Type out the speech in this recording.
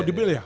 oh di bial ya